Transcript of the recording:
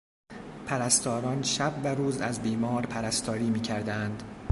پرستاران شب و روز از بیمار پرستاری میکردند.